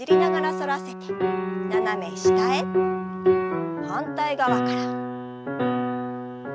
反対側から。